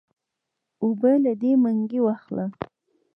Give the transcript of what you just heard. اوبۀ له دې منګي واخله